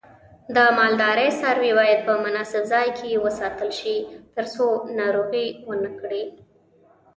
د مالدارۍ څاروی باید په مناسب ځای کې وساتل شي ترڅو ناروغي ونه کړي.